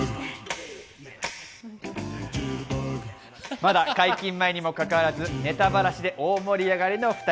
まだ、解禁前にもかかわらず、ネタばらしで大盛り上がりの２人。